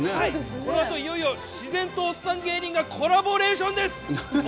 このあといよいよ、自然とおっさん芸人のコラボレーションです。